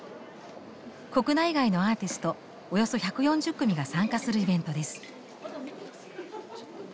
国内外のアーティストおよそ１４０組が参加するイベントです。